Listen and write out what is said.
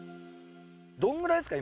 どのぐらいですか？